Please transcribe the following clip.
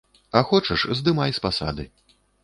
А хочаш, здымай з пасады.